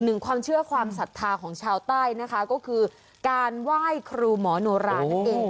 หนึ่งความเชื่อความศรัทธาของชาวใต้นะคะก็คือการไหว้ครูหมอโนรานั่นเอง